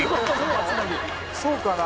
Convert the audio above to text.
そうかな。